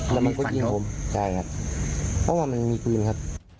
มันเพิ่งยิงผมว่ามันยังมีพื้นครับ